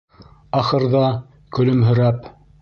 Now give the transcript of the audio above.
Ахырҙа, көлөмһөрәп: